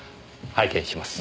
拝見します。